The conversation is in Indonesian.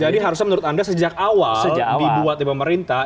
jadi harusnya menurut anda sejak awal dibuat oleh pemerintah